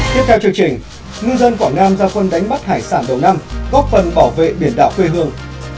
tiếp theo chương trình ngư dân quảng nam ra quân đánh bắt hải sản đầu năm góp phần bảo vệ biển đảo quê hương